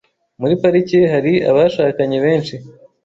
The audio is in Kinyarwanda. Muri parike hari abashakanye benshi.